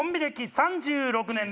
３６年目